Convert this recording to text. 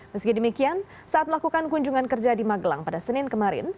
meski demikian saat melakukan kunjungan kerja di magelang pada senin kemarin